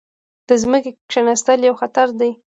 د ځمکې کیناستل یو خطر دی.